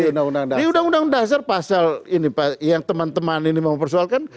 di undang undang dasar pasal ini pak yang teman teman ini mau persoalkan